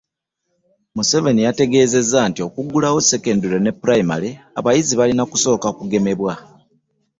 Museveni yategeezezza nti okuggulawo ssekendule ne ppulayimale abayizi balina kusooka kugemebwa